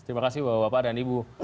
terima kasih bapak bapak dan ibu